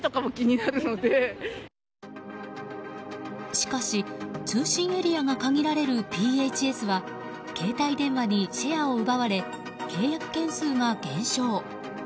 しかし通信エリアが限られるＰＨＳは携帯電話にシェアを奪われ契約件数が減少。